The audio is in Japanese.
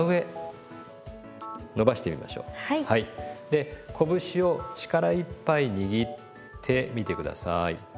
でこぶしを力いっぱい握ってみて下さい。